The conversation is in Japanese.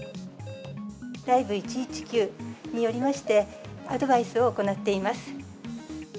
Ｌｉｖｅ１１９によりまして、アドバイスを行っています。